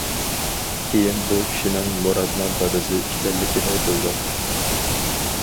كېيىن بۇ كىشىنىڭ مۇراتنىڭ دادىسى ئىكەنلىكىنى بىلدۇق.